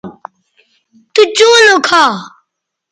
تو چوں لوکھا